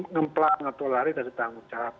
ngeplang atau lari dari tanggung jawab